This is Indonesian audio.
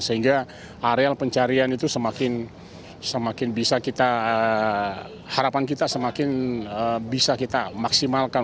sehingga areal pencarian itu semakin bisa kita harapan kita semakin bisa kita maksimalkan